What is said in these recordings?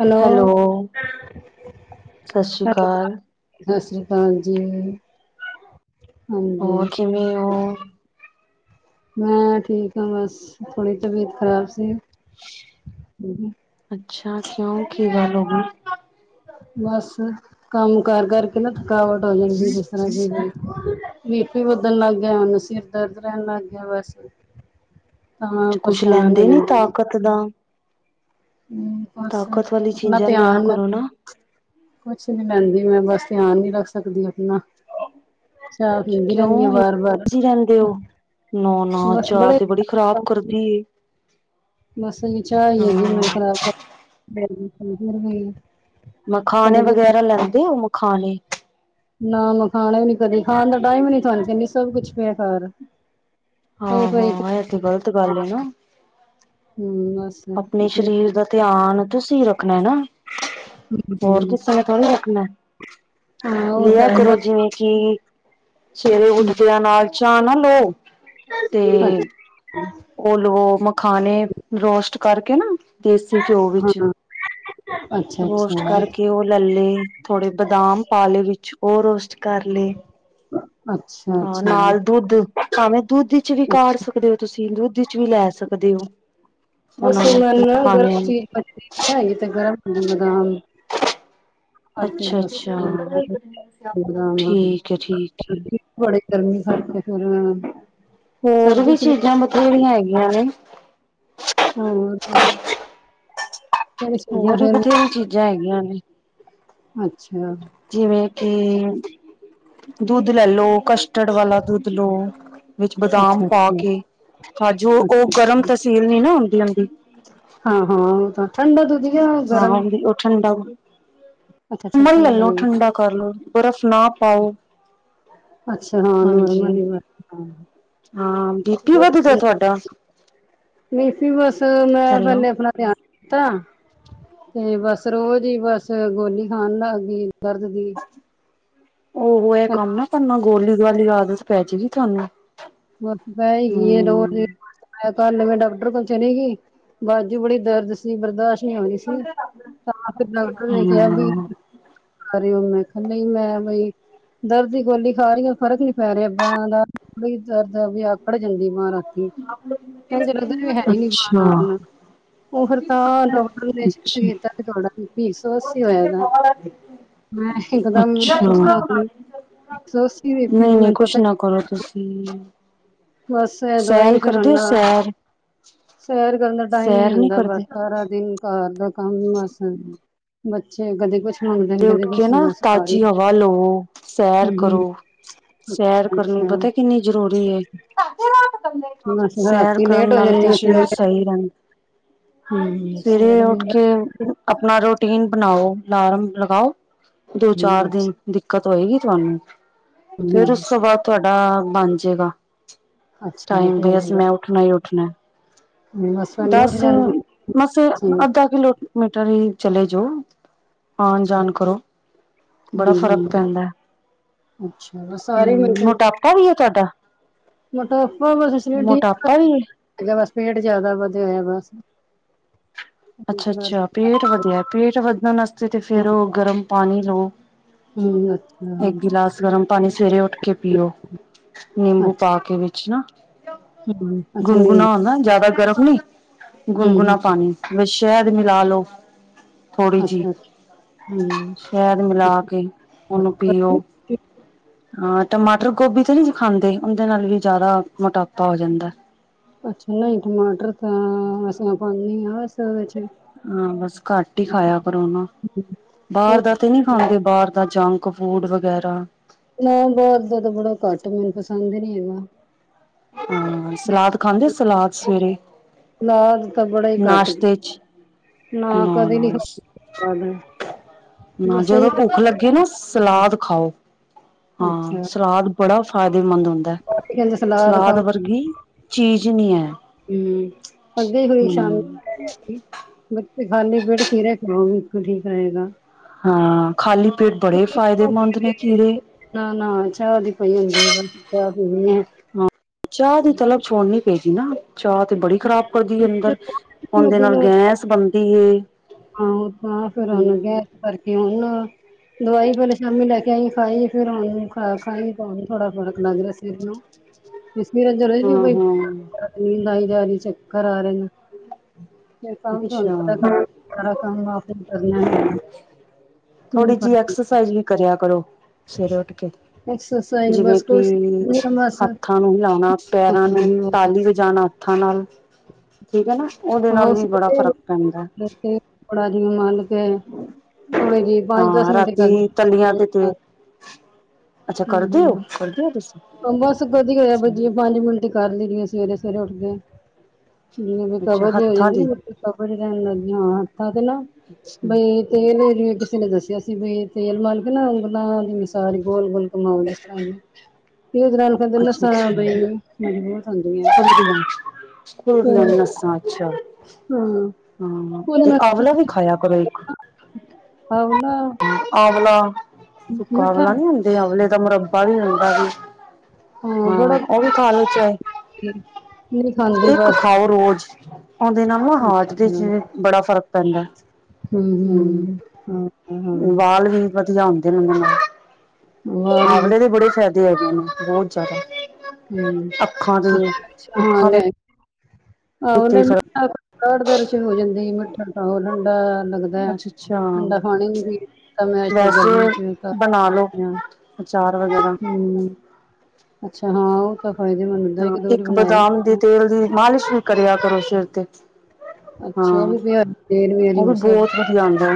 Hello ਸਤਿ ਸ੍ਰੀ ਅਕਾਲ ਸਤਿ ਸ੍ਰੀ ਅਕਾਲ ਜੀ। ਹਾਂਜੀ। ਹੋਰ, ਕਿਵੇਂ ਓ? ਮੈਂ ਠੀਕ ਆਂ ਬਸ, ਥੋੜੀ ਤਬੀਅਤ ਖਰਾਬ ਸੀ। ਅੱਛਾ, ਕਿਉਂ, ਕੀ ਗੱਲ ਹੋਗੀ? ਬਸ ਕੰਮ ਕਰ-ਕਰਕੇ ਨਾ ਥਕਾਵਟ ਹੋ ਜਾਂਦੀ, ਜਿਸ ਤਰ੍ਹਾਂ ਕਿ ਬੀਪੀ ਵਧਣ ਲੱਗ ਗਿਆ, ਹੁੰਨ ਸਿਰ ਦਰਦ ਰਹਿਣ ਲੱਗ ਗਿਆ ਬਸ। ਤਾਂ ਪਰੇਸ਼ਾਨ ਹੋ ਜਾਂਦੇ ਨ ਤਦਾਂ ਹੂੰ ਬਸ ਵਾਲੀ ਆਪਨਾ ਚੀਜ਼ਾਂ ਲਿਆ ਧਿਆਨ ਕਰੋ ਨਾ ਰਖ। ਕੋਛ ਨੀ ਲੈਂਦੀ ਮੈਂ ਬਸ, ਧਿਆਨ ਨੀ ਰੱਖ ਸਕਦੀ ਆਪਨਾ ਅੱਛਾ ਫੀ [unintelligible] ਕਿਓਂ ਤੁਸੀ ਲੈਂਦੇ ਹੋ। ਨਾ-ਨਾ ਬਸ ਚਾ ਬੜੇ ਤੇ ਬੜੀ ਖ਼ਰਾਬ ਕਰਦੀ ਏ। ਬਸ ਐਹ ਚਾਹ ਈ ਹੈਗੀ ਹਾਂ ਮਨ ਖਰਾਬ ਮਖਾਨੇ ਵਗੈਰਾ ਲੈਂਦੇ ਹੋ ਮਖਾਨੇ? ਨਾ ਮਖਾਨੇ ਵੀ ਨਈ ਕਦੀ। ਖਾਨ ਦਾ ਟਾਈਮ ਹੀ ਨੀ ਸਾਨ ਨਈ ਸਭ ਕੁਛ ਪਿਐ ਘਰ। ਪਏ ਪਏ ਹਾਂ-ਹਾਂ, ਐਹ ਤੇ ਗ਼ਲਤ ਗੱਲ ਏ ਨਾ ਹੂੰ, ਬਸ। ਆਪਨੇ ਸ਼ਰੀਰ ਦਾ ਧਿਆਨ ਤੁਸੀਂ ਰੱਖਨਾ ਐ ਨਾ। ਹੋਰ ਕਿਸੀ ਨੇ ਥੋੜੀ ਰਖਨੈ। ਹਾਂ ਉਹ ਤਾਂ ਲਿਆ ਹੈ ਕਰੋ ਬਸ ਜਿਵੇਂ ਕਿ ਸਵੇਰੇ ਹੂੰ ਉੱਠਦੇਆਂ ਨਾਲ ਚਾ ਨਾ ਲੋ ਤੇ ਓ ਲੋ ਮਖਾਨੇ ਰੋਸਟ ਕਰਕੇ ਨਾ ਦੇਸੀ ਘਿਓ ਵਿੱਚ ਅੱਛਾ ਹਾਂ ਅੱਛਾ ਅੱਛਾ ਰੋਸਟ ਕਰਕੇ ਓਹ ਨਾਲੇ ਥੋੜੇ ਬਦਾਮ ਪਾ ਲਏ ਵਿੱਚ ਓਹ ਰੋਸਟ ਕਰ ਲਏ ਅੱਛਾ ਅੱਛਾ ਹਾਂ ਨਾਲ ਦੁੱਦ ਭਾਵੇਂ ਦੁੱਦ ਇੱਚ ਵੀ ਕਾੜ ਅੱਛਾ ਸਕਦੇ ਹੋ ਤੁਸੀਂ, ਦੁੱਦ ਇਚ ਵੀ ਲੈ ਸਕਦੇ ਓ। ਮੌਸਮ ਐਨਾ ਗਰਮ ਚੀਜ਼ [unintelligible] ਇਹ ਤਾਂ ਗਰਮ ਹੁੰਦੇ ਬਦਾਮ। ਅੱਛਾ ਅੱਛਾ ਠੀਕ ਹੈ ਠੀਕ ਹੈ [unintelligible] ਬੜੀ ਗਰਮੀ ਫੜਕੇ ਫਿਰ ਹੋਰ ਸਰਦੀ ਵੀ ਚ ਨੀ ਚੀਜਾਂ ਬਥੇਰੀਆਂ ਹੈਗੀਆਂ ਨੇ ਹੂੰ ਕੇਹੜੀ ਚੀਜ ਆ ਹੋਰ ਫੇਰ ਵੀ ਬਥੇਰੀ ਦੱਸ ਚੀਜ਼ਾਂ ਹੈਗੀਆਂ ਨੇ ਅੱਛਾ ਜਿਵੇਂ ਕਿ ਦੁੱਦ ਲੈ ਲੋ ਕਸਟਰਡ ਵਾਲਾ ਦੁੱਦ ਲੋ ਵਿੱਚ ਬਦਾਮ ਅੱਛਾ, ਪਾ ਅੱਛਾ। ਕੇ। ਕਾਜੂ, ਓਹ ਅੱਛਾ, ਗਰਮ ਅੱਛਾ ਤਸੀਲ ਨਹੀਂ ਨਾ ਹੋਂਦੀ ਓਦੀ ਹਾਂ-ਹਾਂ, ਠੰਡਾ ਦੁੱਦ ਲਿਆਂਵਾ ਗਰਮ? ਲੋ ਠੰਡਾ ਦੁੱਦ ਅੱਛਾ-ਅੱਛਾ ੳਦਾਂ ਲੈ ਲਓ, ਈ ਠੰਡਾ ਕਰ ਲੋ, ਬਰਫ਼ ਨਾ ਪਾਓ ਅੱਛਾ ਹਾਂ ਨੂਰਮ ਹਾਂਜੀ [inaudible] ਹਾਂ, ਬੀਪੀ ਵਧਦੈ ਤਵਾਡਾ? ਨਹੀਂ ਸੀ ਬਸ ਮੈਂ ਹੈਲੋ ਪਹਲੇ ਆਪਣਾ ਧਿਆਨ ਤਾਂ ਤੇ ਬਸ ਰੋਜ਼ ਹੀ ਬਸ ਗੋਲੀ ਖਾਨ ਲੱਗ ਗਈ, ਦਰਦ ਦੀ ਓਹ ਐ ਕੰਮ ਨਾ ਕਰਨਾ ਗੋਲੀ ਗਾਲੀ ਆਦਤ ਪੈ ਜਾਏਗੀ ਤੁਹਾਨੂੰ ਥਸ ਪੈ ਈ ਗਈ ਏ, ਰੋਜ ਹੂੰ ਮੈਂ ਕੱਲ ਨਵੇਂ ਡਾਕਟਰ ਕੋਲ ਚਲੀ ਗਈ, ਬਾਜੂ ਬੜੀ ਦਰਦ ਸੀ ਬਰਦਾਸ਼ਤ ਨਹੀਂ ਆਉਂਦੀ ਸੀ ਤਾਂ ਫਿਰ ਡਾਕਟਰ ਨੇ ਕਿਹਾ ਬਈ ਹਾਂ ਖਾਰੇ ਓ? ਮੈਂ ਕਯਾ, ਨਈ ਮੈਂ ਨਈ। ਦਰਦ ਦੀ ਗੋਲੀ ਖਾ ਰਈ ਆਂ ਫਰਕ ਨੀ ਪੈ ਰਿਆ ਬਾਂ ਦਾ, ਬੜੀ ਦਰਦ ਆ, ਵੀ ਆਕੜ ਜਾਂਦੀ ਬਾਂਹ ਰਾਤ ਐਂਝ ਲੱਗਦਾ ਜਿਵੇਂ ਹੈ ਈ ਨੀ ਬਾਂਹ ਅੱਛਾ ਨਾਲ ਓ ਫਿਰ ਤਾਂ ਡੋਕਟਰ ਨੇ ਚੈਕ ਅੱਛਾ ਕੀਤਾ ਤੁਆਡਾ ਬੀਪੀ ਇੱਕ ਸੌ ਅੱਸੀ ਹੋਇਆ ਪਿਐ ਮੈਨ ਇੱਕਦਮ ਟੈਂਸ਼ਨ ਹੋ ਗਈ ਇੱਕ ਸੌ ਅੱਸੀ ਬੀਪੀ ਵੀ ਨਈ-ਨਈ, ਮੈਨੂੰ ਕੁਸ਼ ਪਤਾ ਨਾ ਕਰੋ, ਤੁਸੀਂ। ਬਸ ਐ ਦਵਾਈ ਸੈਰ ਫਿਰ ਕਰਦੇ ਹੁਣ ਸੈਰ ਸੈਰ ਕਰਨ ਦਾ ਟਾਈਮ ਈ ਨੀ ਸੈਰ ਨਹੀਂ ਹੁੰਦਾ। ਬਸ ਕਰਦੇ ਸਾਰਾ ਦਿਨ ਘਾਰ ਦਾ ਕੰਮ ਬਸ ਹੁਣ ਬੱਚੇ ਕਦੀ ਕੁੱਛ ਤੇ ਉੱਠ ਕੇ ਨਾ, ਤਾਜ਼ੀ ਹਵਾ ਲੋ। ਸੈਰ ਹੂੰ ਹੂੰ ਕਰੋ। ਸੈਰ ਅੱਛਾ ਕਰਨੀ ਅੱਛਾ ਪਤਾ ਕਿੰਨੀ ਜ਼ਰੂਰੀ ਏ? ਬਸ ਸੈਰ ਰਾਤੀ ਕਰਨ ਲੇਟ ਹੋ ਨਾਲ ਤੇ ਜਾਂਦੀ ਆ ਸਰੀਰ ਸਵੇਰੇ ਸਹੀ ਰਹਿੰ ਹੂੰ ਸਵੇਰੇ ਉੱਠ ਨੀਂਦ ਕੇ ਆਪਣਾ ਰੋਟੀਨ ਬਣਾਓ। ਲਾਰਮ ਲਗਾਓ, ਦੋ-ਚਾਰ ਹੂੰ ਦਿਨ ਅੱਛਾ ਦਿੱਕਤ ਹੋਏਗੀ ਤੁਵਾਨੂੰ। ਫੇਰ ਹੂੰ ਉਸ ਤੋਂ ਬਾਅਦ ਤੁਹਾਡਾ ਬਨਜੇਗਾ ਅੱਛਾ ਟਾਈਮ ਬੇਅਸ। ਰੂਟੀਨ ਦਾ ਮੈਂ ਉੱਠਣਾ ਈ ਉੱਠਣਾ। ਬਸ ਵੇਲੇ ਉੱਠ ਦੱਸ ਊ, ਜਾਂਦੀ ਮਸ ਊ ਹੂੰ ਅੱਧਾ ਕਿਲੋ ਮਟਰੀ ਈ ਚਲੇ ਜੋ। ਆਣ ਅੱਛਾ ਜਾਣ ਕਰੋ। ਬੜਾ ਹੂੰ ਫ਼ਰਕ ਹੂੰ ਪੈਂਦਾ। ਅੱਛਾ ਬਸ ਹੂ ਸਾਰੀ ਮਤਲਬ ਮੋਟਾਪ ਐਵੀ ਏ ਤੁਵਾਡਾ। ਮੋਟਾਪਾ ਵੈਸੇ ਸਰੀਰ ਠੀਕ। ਮੋਟਾਪਾ ਵੀ ਹੈ ਬ ਪੇਟ ਜ਼ਿਆਦਾ ਵਧਿਆ ਹੋਇਆ ਬਸ। ਹੂੰ ਅੱਛਾ-ਅੱਛਾ, ਪੇਟ ਵਧਿਆ। ਪੇਟ ਵਧਣ ਵਾਸਤੇ ਤੇ ਫੇਰ ਉਹ ਗਰਮ ਪਾਣੀ ਲਓ। ਅੱਛਾ ਇੱਕ ਗਿਲਾਸ ਗਰਮ ਪਾਣੀ ਸਵੇਰੇ ਉੱਠ ਕੇ ਪੀਓ। ਨਿੰਬੂ ਅੱਛਾ ਪਾ ਕੇ ਵਿੱਚ ਨਾ। ਹੂੰ ਅੱਛਾ ਨਿੰਬੂ ਗੁਨ-ਗੁਨਾ ਹੋ ਨਾ, ਜਿਆਦਾ ਗਰਮ ਨੀ। ਹੂੰ ਹੂੰ ਗੁਨ-ਗੁਣਾ ਪਾਣੀ ਬ ਸ਼ਹਿਦ ਮਿਲਾ ਲੋਓ। ਥੋੜ੍ਹੀ ਜੀ ਅੱਛਾ ਅੱਛਾ ਹੂੰ ਸ਼ਹਿਦ ਮਿਲਾ ਕੇ, ਉਹਨੂੰ ਪੀਓ। ਆਂ ਟਮਾਟਰ, ਗੋਭੀ ਤੇ ਨ੍ਹੀਂ ਜੇ ਖਾਂਦੇ। ਉਦੇਂ ਨਾਲ ਵੀ ਜ਼ਿਆਦਾ ਮੋਟਾਪਾ ਹੋ ਜਾਂਦਾ। ਅੱਛਾ, ਨਹੀਂ ਟਮਾਟਰ ਤਾਂ ਅਸੀਂ ਪਾਉਂਨੇ ਈ ਆ ਅਸਲ ਵਿੱਚ। ਹਾਂ, ਬਸ ਘੱਟ ਈ ਖਾਇਆ ਕਰੋ ਨਾ। ਬਾਰ ਦਾ ਚ ਤੇ ਨੀ ਹਾਂਜੀ, ਬਾਰ ਦਾ ਜੰਕ-ਫੂਡ ਵਗੈਰਾ। ਨਾ ਬਾਹਰ ਦਾ ਤਾਂ ਬੜਾ ਘੱਟ, ਮੈਨੂੰ ਪਸੰਦ ਈ ਨੀ ਐ। ਹਾਂ, ਸਲਾਦ ਖਾਂਦੇ, ਸਲਾਦ ਸਵੇਰੇ? ਸਲਾਦ ਤਾਂ ਬੜਾ ਈ ਘੱਟ ਨਾਸ਼ਤੇ ਚ ਨਾ ਕਦੇ ਨੀ ਖਾਦੀ, ਸਲਾਦ ਮੈਂ। ਨਾ ਜਦੋਂ ਭੁੱਖ ਲੱਗੇ ਨਾ, ਸ ਤਲਾਦ ਖਾਓ‌। ਹਾਂ, ਅੱਛਾ ਸਲਾਦ ਬੜਾ ਫਾਇਦੇਮੰਦ ਹੁੰਦ ਦਾ, ਬਾਕੀ ਕਹਿੰਦੇ ਸਲਾਦ ਖਾਓ ਵਰਗੀ ਚੀਜ਼ ਨੀ ਐ। ਹੂੰ, ਅੱਗੇ ਤੋਂ ਈ ਸ਼ਾਮੀ ਕੈ ਰਿਆ ਸੀ ਬੱਚੇ ਖਾਲੀ ਪੇਟ ਖੀਰੇ ਖਾਣ ਨਾ, ਬਿਲਕੁਲ ਠੀਕ ਰਏਗਾ। ਹਾਂ, ਖਾਲੀ ਪੇਟ ਬੜੇ ਫ਼ਾਇਦੇਮੰਦ ਨੇ ਖੀੜੇ। ਨਾ-ਨਾ ਚਾਹ ਦੀ ਪਈ ਹੁੰਦੀ ਏ, ਬਸ ਚਾਹ ਪੀਣੀ ਏ। ਹਾਂ ਚਾਹ ਦੀ ਤਲਬ ਛੋੜਨੀ ਪਏਗੀ ਨਾ‌। ਚਾਹ ਤੇ ਬੜੀ ਖ਼ਰਾਬ ਕਰਦੀ ਏ ਅੰਦਰ, ਔੰਦੇ ਨਾਲ ਗੈਸ ਬਨਦੀ ਏ। ਹਾਂ, ਉਹ ਤਾਂ ਫੇਰ ਹੋਣੀ ਗੈ ਹਮ ਕਰਕੇ ਹੁਣ, ਦਵਾਈ ਪੈਲੇ ਸ਼ਾਮੀ ਲੈ ਕੇ ਆਈ ਖਾਈ ਏ, ਫੇਰ ਹੋਨ ਖ਼ੁਰਾਕ ਖਾਈ ਏ, ਤੇ ਹੁਣ ਥੋੜਾ ਫਰਕ ਲੱਗ ਰਿਆ ਸਿਰ ਨੂੰ। ਬੀ ਸਵੇਰੇ ਗਰੇ ਵੀ ਹਾਂ ਹਾਂ ਨੀਂਦ ਆਈ ਜਾ ਰੀ, ਚੱਕਰ ਆ ਰੇ ਨੇ। ਫੇਰ ਕਾਮ ਤਵਾਨੂੰ ਅੱਛਾ ਪਤਾ ਕਿ ਸਾਰਾ ਕੰਮ ਆਪ ਈ ਤੇ ਕਰਨਾ ਐ। ਕਿ ਨੀ। ਥੋੜ੍ਹੀ ਜਿਹੀ [unintelligible] ਐਕਸਰਸਾਈਜ਼ ਵੀ ਕਰਿਆ ਕਰੋ, ਸਵੇਰੇ ਉੱਠ ਕੇ। ਐਕਸਰਸਾਈਜ਼ ਜਿਵੇਂ ਬਸ ਕਿ ਕੁਛ ਨਹੀਂ ਹੈ, ਬਸ ਹਾਊਸ ਹੱਥਾਂ ਨੂੰ ਹਿਲਾਣਾ, ਪੈਰਾਂ ਥੋੜਾ ਨੂੰ, ਜਿਹਾ ਤਾਲੀ ਵ ਜਾਨਾ ਹਥਾਂ ਨਾਲ, ਠੀਕ ਹੈ ਨਾ ਓਦੇ ਨਾਲ ਵੀ ਬੜਾ ਫ਼ਰਕ ਪੈਂਦੈ। ਥੋੜਾ ਜਿ ਮੰਲ ਕੇ, ਥੋੜੇ ਜਿ ਪੰਜ ਦਸ ਹਾਂ ਮਿੰਟ ਰਾਤੀ ਕਰਣੀ। ਤਲੀਆਂ ਤੇ ਤੇ। ਅੱਛਾ ਕਰਦੇ ਹੋ ਹੂੰ, ਕਰਦੇ ਹੋ ਤੁਸੀਂ - ਹੂੰ ਬਸ ਕਦੀ ਹੋਯਾ ਅੱਛਾ ਬਜੀ ਪੰਜ ਮਿੰਟ। ਕਰ ਲਿਣੀ ਆਂ ਸਵੇਰੇ-ਸਵੇਰੇ ਉੱਠ ਕੇ। ਜਿਵੇਂ ਵੀ ਅੱਛਾ, ਕਬਜ਼ ਹੋ ਹੱਥਾਂ ਜਾਂਦੀ ਦੀ ਏ ਨਾ, ਬਿਲਕੁਲ ਕਬਜ ਈ ਰੈਣ ਲੱਗ ਗੀ, ਹਾਂ ਹੱਥਾਂ ਤੇ ਨਾ ਛ ਬਈ ਤੇਲ ਜਿਵੇਂ ਕਿਸੇ ਨੇ ਦੱਸਿਆ ਸੀ, ਬਈ ਤੇਲ ਮਲ ਕੇ ਨਾ ਉਂਗਲਾਂ ਦੀ ਮਿਸਾਜ ਗੋਲ-ਗੋਲ ਮਾਲਸ਼ ਰਾਈ, ਫੂ ਜਨਾ ਨੂੰ ਕਦੇ ਅੱਛਾ ਲਸਾਂ ਆਯਾ ਹੁੰਦੈ ਅਈਔ, ਮਜਬੂਤ ਹੁੰਦੀ ਏ। ਹੋਦ ਵੰਸ਼ [unintelligible] ਖੁੱਲਦੀਆਂ ਨੇ ਨਸਾਂ, ਅੱਛਾ। ਹੂੰ। ਹਾਂ, ਤੇ ਆਵਲਾ ਵੀ ਖਾਇਆ ਕਰੋ ਇੱਕ। ਆਵਲਾ ਆਂਵਲਾ, ਸੁੱਕਾ ਆਵਲਾ ਨੀ ਹੁੰਦੇ ਆਂਵਲੇ ਦਾ ਮੁਰੱਬਾ ਵੀ ਹੁੰਦਾ ਵੀ। ਹਾਂ, ਓ ਵੀ ਖਾਲੋ ਚਾਏ। ਨਹੀਂ ਖਾਂਦੀ ਇਹ ਬਸ ਖਾਓ ਰੋਜ਼। ਔੰਦੇ ਨਾਲ ਨਾ ਹਾਰਟ ਦੇ ਅੱਛਾ ਜਿਵੇਂ ਬੜਾ ਫਰਕ ਪੈੰਦੈ। ਹੂੰ ਹੂੰ, ਹਾਂ। ਹਾਂ ਵਾਲ ਵੀ ਵਧੀਆ ਹੁੰਦੇ ਨੇ ਮੁਲੈਮ, ਵਾਹ ਨੀ ਆਵਲੇ ਦੇ ਬੜੇ ਫੈਦ ਹੈਗੇ ਨੇ ਬੌਤ ਜੈਦਾ। ਹੂੰ ਅੱਖਾਂ ਦੇ ਅੱਖਾਂ ਦੇ ਆਹੋ ਤੇ ਔੰਦੇ ਫਰਕ ਮਿੱਠਾ ਕਾੜਦੇ ਰਸ਼ਨ ਹੋ ਜਾਂਦੀ ਏ ਮਿੱਠਾ। ਹੋਰ ਠੰਡਾ ਲੱਗਦੈ, ਅੱਛਾ ਅੱਛਾ ਠੰਡਾ ਪਾਣੀ ਨਹੀਂ ਪੀਤਾ ਮੈਂ ਤਾਂ ਗਰਮੀ ਵੈਸੇ ਚ। ਤਾਂ ਬਣਾ ਲੋ, ਅਚਾਰ ਵਗੈਰਾ। ਹੂੰ ਅੱਛਾ, ਹਾਂ ਔ ਢਕਣੇ ਸੀ ਮਨੂ। ਹਾਂ, ਇੱਕ ਬਦਾਮ ਦੀ ਤੇਲ ਦੀ ਮਾਲਿਸ਼ ਵੀ ਕਰਿਆ ਕਰੋ ਸੇਰ ਤੇ। ਹਾਂ, ਅੱਛਾ ਉਹ ਵੀ ਪਿਆ ਤੇਲ ਓਹ ਵੀ ਹਜ਼ੂਰ ਸਾਹਿਬ ਬੌਤ ਵਧੀਆ ਹੌਂਦੈ।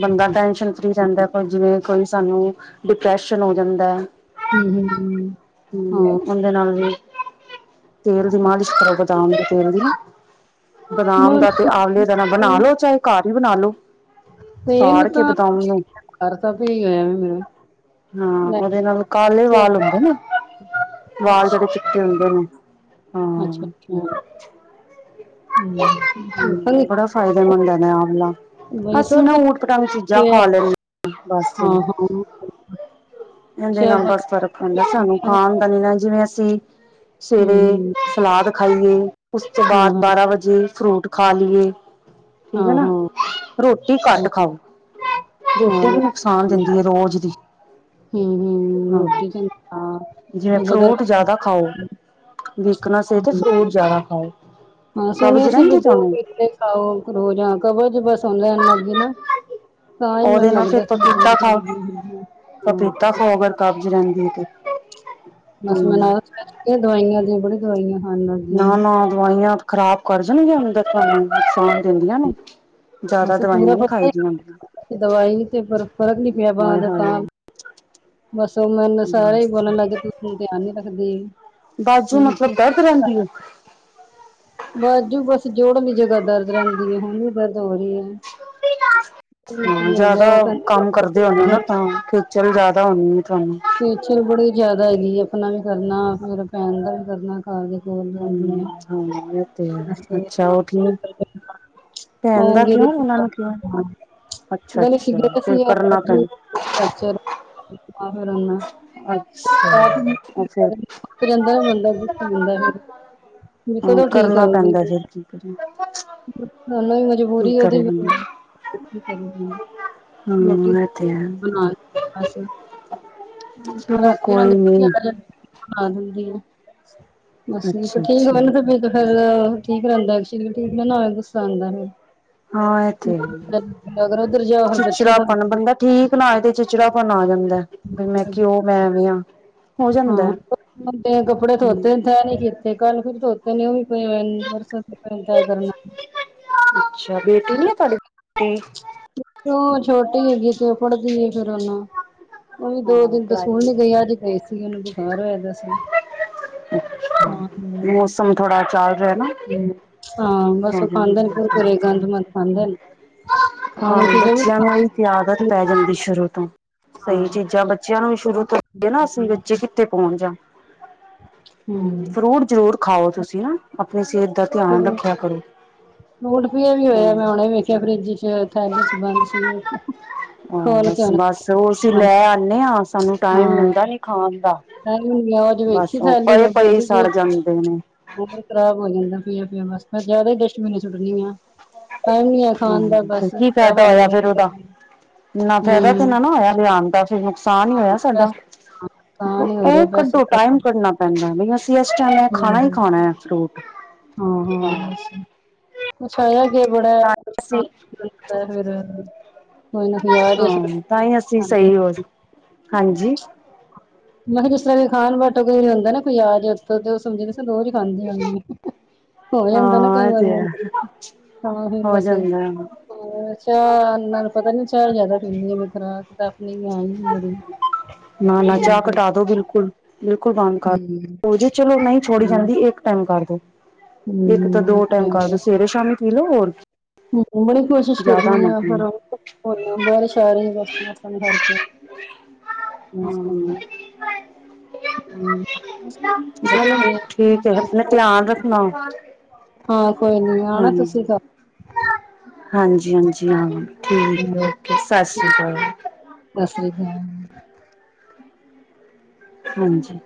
ਬੰਦਾ ਟੈਨਸ਼ਨ ਫ੍ਰੀ ਰਹਿੰਦਾ, ਕੋਈ ਜਿਵੇਂ ਕੋਈ ਸਾਨੂੰ ਡਿਪ੍ਰੈਸ਼ਨ ਹੋ ਜਾਂਦਾ। ਹੰਮ ਹੰਮ ਹ ਹ। ਉਹ ਦੇ ਨਾਲ ਵੀ ਤੇਲ ਦੀ ਮਾਲਿਸ਼ ਕਰੋ, ਬਦਾਮ ਦੇ ਤੇਲ ਦੀ। ਹਾਂ ਬਦਾਮ ਦਾ ਤੇ ਆਵਲੇ ਦਾ ਨਾ ਬਣਾ ਲੋ ਚਾਹੇ ਘਰ ਹੀ ਬਣਾ ਲੋ। ਤੇਲ ਸਾੜ ਕੇ ਤਾਂ ਬਦਾਮ ਨੂੰ ਤਾਂ ਘਰਦਾ ਪਿਆ ਹੋਇਆ ਮੇਰਾ। ਹਾਂ ਲੈ ਅੱਛਾ ਉਹਦੇ ਨਾਲ ਕਾਲੇ ਵਾਲ ਹੁੰਦੇ ਨੇ। ਵਾਲ ਅੱਛਾ ਜਦੇ ਚਿੱਟੇ ਹੁੰਦੇ ਨੇ ਹਾਂ। ਹਾਂ। ਹੰਮ ਬੜਾ ਫਾਇਦੇਮੰਦ ਨੇ ਆਵਲਾ। ਬਈ ਅਸੀ ਸਭ ਨਾ ਕੁਛ ਊਟ ਪਟਾਗ ਚੀਜ਼ਾਂ ਪਿਆ ਖਾ ਲੈਦੇ ਹਾਂ ਬਸ। ਹਾਂ ਹਾਂ ਇਹਦੇ ਸ਼ਹਿ ਨਾਲ ਬਸ ਫਰਕ ਆਦਾ, ਸਾਨੂੰ ਖਾਣਦਾਨੀ ਨਾਲ ਜਿਵੇਂ ਅਸੀਂ ਸਵੇਰੇ ਹੂੰ, ਸਲਾਦ ਖਾਈਏ, ਉਸ ਤੋਂ ਬਾਅਦ ਹਾਂ, ਬਾਰਾਂ ਵਜੇ ਫਰੂਟ ਖਾ ਲਈਏ। ਠੀਕ ਹੈ ਹਾਂ, ਨਾ ਹਾਂ, ਹਾਂ, ਰੋਟੀ ਘੱਟ ਹੂੰ-ਹੂੰ, ਖਾਓ, ਰੋਟੀ ਵੀ ਨੁਕਸਾਂਨ ਦਿੰਦੀ ਹੈ ਰੋਜ਼ ਦੀ। ਹੰਮ ਹੰਮ ਹਾਂ ਰੋਟੀ ਕ ਜਿਵੇਂ ਫਰੂਟ ਜ਼ਿਆਦਾ ਖਾਓ। ਵੀਕਣਾਸ ਤੇ ਫਰੂਟ ਜ਼ਿਆਦਾ ਖਾਓ। ਹਾਂ ਕਬਜ਼ ਸੁਣਿਆ ਸੀ ਵੀ ਰਹਿੰਦੀ ਦੋ ਤੁਹਾਨੂੰ ਕੇਲੇ ਖਾਓ ਰੋਜ਼ ਹ ਕਬਜ਼ ਬਸ ਹੁਣ ਰਹਿਣ ਲੱਗ ਗਈ ਨਾ। ਤਾਂ ਹੀ ਉਹਦੇ ਮੈਨੂੰ ਨਾਲ ਫਿਰ ਲੱਗਦਾ। ਪਪੀਤਾ ਖਾਓ ਪਪੀਤਾ ਖਾਓ ਅਗਰ ਕਬਜ਼ ਰਹਿੰਦੀ ਤੇ ਬਸ ਮੈ ਹਮ ਨਾਲ ਚੁੱਕ ਦਵਾਈਆਂ ਦੀ ਬੜੀ ਦਵਾਈਆਂ ਖਾਣ ਨਾ ਲੱਗਿਆਂ। ਨਾ ਦਵਾਈਆਂ ਖ਼ਰਾਬ ਕਰ ਜਾਣਗੀਆਂ ਅੰਦਰ ਤੁਹਾਨੂੰ ਨੁਕਸਾਨ ਦਿੰਦੀਆਂ ਨੇ। ਜ਼ਿਆਦਾ ਬਸ ਪੂਰਾ ਦਵਾਈਆਂ ਨਹੀਂ ਪਤਾ ਖਾਈ ਦੀਆਂ ਹੁੰਦੀਆਂ ਹੀ, ਦਵਾਈ ਤੇ ਫ਼ਰਕ ਨੀ ਪਿਆ ਬਾਂਹ ਹਾਏ ਦਾ ਤਾਂ ਹਾਏ ਬਸ ਉਹ ਮੈਨੂੰ ਸਾਰੇ ਹੀ ਬਸ ਬੋਲਣ ਲੱਗਗੇ ਤੂੰ ਧਿਆਨ ਨੀ ਰੱਖਦੀ। ਬਾਜੂ ਮਤਲਬ ਦਰਦ ਰਹਿੰਦੀ ਹੈ। ਬਾਜੂ ਬਸ ਜੋੜਣ‌ ਜਗ੍ਹਾ ਦਰਦ ਰਹਿੰਦੀ ਹੈ, ਹੁਣ ਵੀ ਦਰਦ ਹੋ ਰਹੀ ਹੈ। ਹੂ, ਕੀ ਹੋ ਗਿਆ ਜਿਆਦਾ ਉਹ ਕੰਮ ਕਰਦੇ ਹਨਾ ਕਹਿੰਦੀ ਤਾਂ ਚੱਲ ਜਿਆਦਾ ਹੁੰਦੀ ਆ ਤੁਹਾਨੂੰ। ਫੇਸ਼ੀਅਲ ਬੜੀ ਜਿਆਦਾ ਹੈਗੀ ਆਪਣਾ ਵੀ ਕਰਨਾ, ਫੇਰ ਭੈਣ ਦਾ ਵੀ ਕਰਨਾ। ਦੇ ਕੋਲ‌ ਜਾਂਦੀ ਹੈ। ਹਮ ਹਾਂ ਇਹ ਤੇ ਹੈ ਅੱਛਾ ਉਹ ਠੀਕ ਭੈਣ ਦਾ ਉਹ ਗ ਕਿਉਂ ਉਹਨਾਂ ਨੂੰ ਕਿਉਂ ਅੱਛਾ ਗੱਲੀ ਅੱਛਾ ਖਿਝੇ [unintelligible] ਫਿਰ ਸੀ ਕਰਨਾ ਪੈਣਾ ਫਿਰਨਾ [unintelligible] ਅੱਛਾ ਉਹ ਫਿਰ ਜਾਂਦਾ ਮੰਦਾਦਾ ਫ [unintelligible] ਕਦੋਂ ਠੀਕ ਹੋਏਗੀ। ਹਾਂਜੀ। ਸਾਨੂੰ ਵੀ ਮਜਬੂਰੀ, ਕਰੇ ਉਹਦੀ ਵੀ ਬੰਦਾ ਮਜਬੂਰ ਹਾਂ ਨੋਟੀਸ ਇਹ ਤੇ ਹੈ ਹਾਂ ਲ ਹੱਸ। ਚਲੋ ਰਾਤੀਂ ਇਨ੍ਹਾਂ ਦੇ ਕੋਈ ਪ ਨੀ ਹਾਜੀ। ਬਸ ਠੀਕ- ਅੱਛਾ ‌ਠੀਕੇ ਅੱਛਾ ਮੈਨੂੰ ਤਾਂ ਭੇਜ ਦੋ। ਫਿਰ ਠੀਕ ਰਹਿੰਦਾ ਸਰੀਰ ਠੀਕ ਨਾ ਹੋਵੇ ਗੁੱਸਾ ਆਉਂਦਾ‌ ਮੇਨੂੰ। ਹਾਂ, ਇਹ ਤੇ‌ ਹੇਇਏ। ਉੱਧਰ ਜਾਓ ਫਿਰ ਬੱਚੇ ਫੋਨ ਚਿੜਚਿੜਾਪਨ ਬੰਦਾ ਠੀਕ ਨਾ ਹੋ ਤੇ ਚਿੜਚਿੜਾਪਨ ਆ ਜਾਂਦਾ ਵੀ। ਮੈਂ ਕਿਉਂ ਮੈਂ ਵੀ ਹਾਂ। ਹਾਂ। ਕੱਪੜੇ ਧੋਤੇ ਹਮ ਤੈਅ ਨਹੀਂ ਕੀਤੇ ਕੱਲ ਫਿਰ ਧੋਤੇ। ਨ ਉਹਮੀ ਪ ਬਰਸਗਰ [unintelligible] ਅੱਛਾ ਬੇਟੀ ਨੀ ਹੈ ਤੁਹਾਡੀੇੇ ਟੀ ਛੋਟੀ ਹੈਗੀ ਤੇ ਉਹ ਪੜਦੀ ਹੈ ਫਿਰ ਹੁਣ। ਮ ਵੀ ਦੋ ਹਾਂ ਦਿਨ ਤਾਂ ਪੜ੍ਹਾਈ ਸਕੂਲ ਵੀ ਨੀ ਗਈ ਜ਼ਰੂਰੀ ਅੱਜ ਹੈ ਗਈ ਸੀ ਉਹਨੂੰ ਬੁਖਾਰ ਹੋਆ ਪਿਆ ਸੀ। ਹ ਤਾਂ [unintelligible] ਮੌਸਮ ਥੋੜਾ ਚੱਲ ਰਿਹਾ ਨਾ। ਹਾਂ ਬਸ ਉਹ ਖਾਂਦੇ ਨੇ ਕੁਰਕੁਰੇ ਗੰਦ ਖਾਂਦੇ ਨੇ। ਖਾਣ ਹਾਂ, ਚ ਜੋ ਵੀ ਬੱਚਿਆਂ ਨੀ ਨੂੰ ਹੀ ਆਦਤ ਹਾਂ। ਪੈ ਜਾਂਦੀ ਸ਼ੁਰੂ ਤੋਂ। ਸਹੀ ਚੀਜ਼ਾਂ ਬੱਚਿਆਂ ਨੂੰ ਵੀ ਸ਼ੁਰੂ ਤੋਂਏ ਨਾ ਅਸੀਂ ਬੱਚੇ ਕਿੱਥੇ ਪਹਉਣ ਜਾਣ। ਹੂ, ਹੂੰ ਫਰੂਟ ਜ਼ਰੂਰ ਖਾਓ ਤੁਸੀਂ ਹਨ ਆਪਣੀ ਸਿਹਤ ਦਾ। ਧਿਆਨ ਰੱਖਿਆ ਕਰੋ। ਫੂਟ ਪੀਆ ਵੀ ਹਾਂ ਹੋਇਆ ਮੈਂ ਹੁਨੇ ਵੇਖਿਆ ਫਰੀ ਚ ਥੈਬ ਚ' ਬੰਦ ਸੀ। ਮ ਖੋਲ ਕੇ ਦੇ ਹਾਂ ਸਾਨੂੰ ਟਾਈਮ ਹਾਂ ਮਿਲਦਾ ਨੀ ਖਾਣ ਦਾ। ਟਾਈਮ ਗਿਆ ਉਹ ਜੇ ਵੇਖੀ ਬਸ ਉਹ ਪਏ- ਪਏ ਸੜ ਜਾਂਦੇ ਨੇ। ਉਹ ਖਰਾਬ ਹੋ ਜਾਂਦਾ ਪਿਆ- ਪਿਆ ਬਸ ਮੈਂ ਜਿਆਦਾ ਹੀ ਡਸਟਬਿਨ ਸੁੱਟਣੀ ਆ। ਖਾਣ ਦਾ ਹੂ ਬਸ ਕੀ ਖਰਾਬ ਹੋ ਫਾਇਦਾ ਹੋਇਆ ਜਾਂਦਾ ਫੇਰ ਫਿਰ ਉਹਦਾ, ਇੰਨਾ ਫਾਇਦਾ ਹੂੰ ਤੇਨਾ ਨਾ ਹੋਇਆ ਲਿਆਉਣ ਦਾ ਫੇਰ। ਨੁਕਸਾਨ ਈ ਹਾਂ ਹੋਇਆ ਸਾਡਾ, ਪੈਸੇ ਨੁਕਸਾਨ ਹੀ ਹੋ ਓ ਰਿਹਾ ਪੈਸੇ ਕੱਢੋ ਖਰਾਬ ਟਾਈਮ ਕੱਢਨਾ ਪੈਂਦਾ ਨਾ ਅਸੀਂ ਓਸ ਟੈਮ ਖਾਨਾ ਈ ਹੂੰ, ਖਾਨੈ ਫਰੂਟ। ਹਾਂ-ਹਾਂ ਹਾਂ ਬਸ ਕੁਛ ਹੈ ਏ ਗੇਆ ਬੜਾ ਤਾਂ ਕੁਛ ਫੇਰ ਖਾਨ ਅਸੀਂ ਨੂੰ ਹੁੰਦੈ ਫੇਰ ਕੋਈ ਨਾ ਕੋਈ ਹਜਾਰ ਈ ਅਸੀਂ ਹਾਂ ਤਾਂ ਹੀ ਅਸੀਂ ਖਾਂਦੇ ਨੀ ਸਹੀ ਹੋ ਆਂ। ਹਾਂਜੀ ਮੈਂ ਕਿਆ ਜਿਸ ਤਰਾਂ ਵੀ ਖਾਨ ਬਟ ਕੋਈ ਵੀ ਹੁੰਦਾ ਨਾ ਕੋਈ ਆ ਗੇਆ ਫੇਰ ਤੇ ਓ ਸਮਝ ਦੋ ਰੋਜ਼ ਖਾਂਦੀ ਹੋਨੀ ਆ। ਹੋ ਜਾਂਦਾ ਨਾ ਹਾਂ ਕਈ ਇਹ ਵਾਰ ਤੇ ਹੈ ਫੇਰ, ਤਾਂ ਫੇਰ ਹੋ ਬਸ ਜਾਂਦਾ ਹਾਂ ਚਾ ਨਾਲ ਪਤਾ ਨੀ ਚਾ ਜਾਦਾ ਪੀਂਨੀ ਆ ਮੈਂ ਖੁਰਾਕ ਦੱਸਨੀ ਆ ਵੀ ਬੜੀ ਨਾ ਨਾ ਚਾਹ ਜਿੰਦੇ ਘਟਾ ਦੋ ਬਿਲਕੁਲ-ਬਿਲਕੁਲ ਬੰਦ ਕਰ ਦੋ ਜੇ ਚਲੋ ਨਈਂ ਛੋੜੀ ਹਾਂ ਜਾਂਦੀ ਇੱਕ ਟੈਮ ਕਰ ਦੋ। ਇੱਕ ਤੋ ਹੂੰ ਦੋ ਟੈਮ ਟਾਈਮ ਕਰਦੋ ਬਸ ਸਵੇਰੇ ਸ਼ਾਮੀ ਪੀ ਲਓ ਹੋਰ ਹੂੰ ਬੜੀ ਕੋਸ਼ਿਸ਼ ਕਰਦੀ ਜ਼ਿਆਦਾ ਨਾ ਆਂ ਫੇਰ ਪੀਓ ਵਾਰਿਸ਼ ਸ਼ਾਹ [unintelligible] ਮੈਂ ਸੋਨਾ ਚਲੋ ਬੱਚੇ ਠੀਕ ਐ ਅਪਨਾ ਧਿਆਨ ਰੱਖਨਾ। ਹਾਂ ਕੋਈ ਨੀ ਆਣਾ ਤੁਸੀਂ ਹਾਂਜੀ। ਤਾਂ, ਹਾਂਜੀ-ਹਾਂਜੀ ਹਾਂ ਠੀਕ ਐ ਓਕੇ ਸਸ ਰੀ ਕਾਲ। ਸਸ ਰੀ ਕਾਲ। ਹਾਂਜੀ।